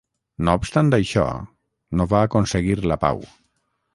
No obstant això, no va aconseguir la pau.